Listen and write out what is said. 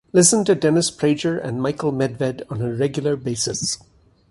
Listen to Dennis Prager and Michael Medved on a regular basis.